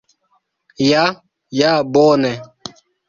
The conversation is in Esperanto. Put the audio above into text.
Ja ja bone